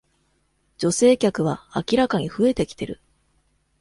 女性客は明らかに増えてきてる